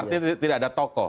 artinya tidak ada toko